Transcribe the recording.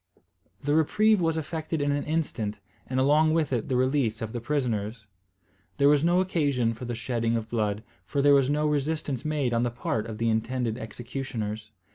The reprieve was effected in an instant, and along with it the release of the prisoners. There was no occasion for the shedding of blood, for there was no resistance made on the part of the intended executioners.